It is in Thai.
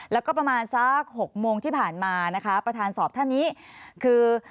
แล้วก็ประมาณสัก๖โมงที่ผ่านมานะคะประธานสอบท่านนี้คือ